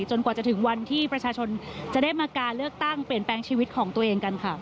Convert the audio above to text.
กว่าจะถึงวันที่ประชาชนจะได้มาการเลือกตั้งเปลี่ยนแปลงชีวิตของตัวเองกันค่ะ